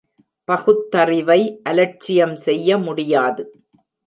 பகுத்தறிவை அலட்சியம் செய்ய முடியாது.